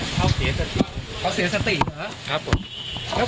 ไปทำแผนจุดเริ่มต้นที่เข้ามาที่บ่อนที่พระราม๓ซอย๖๖เลยนะครับทุกผู้ชมครับ